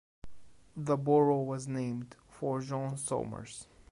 The borough was named for John Somers.